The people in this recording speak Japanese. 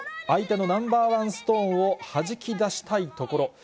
相手のナンバー１ストーンをはじき出したいところ。